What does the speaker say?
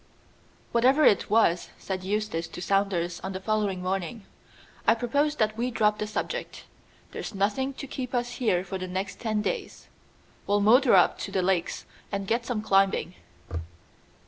III "Whatever it was," said Eustace to Saunders on the following morning, "I propose that we drop the subject. There's nothing to keep us here for the next ten days. We'll motor up to the Lakes and get some climbing."